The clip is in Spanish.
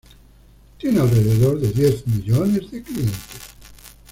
Tiene alrededor de diez millones de clientes.